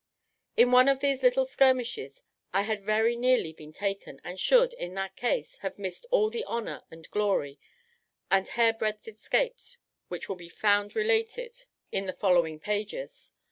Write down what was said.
In one of these little skirmishes I had very nearly been taken, and should, in that case, have missed all the honour, and glory, and hairbreadth escapes which will be found related in the following pages.